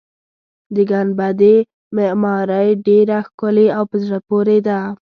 د ګنبدې معمارۍ ډېره ښکلې او په زړه پورې ده.